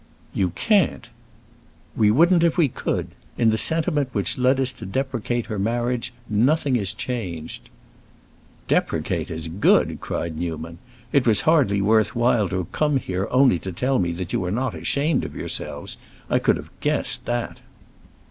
"You can't!" "We wouldn't if we could! In the sentiment which led us to deprecate her marriage nothing is changed." "'Deprecate' is good!" cried Newman. "It was hardly worth while to come here only to tell me that you are not ashamed of yourselves. I could have guessed that!"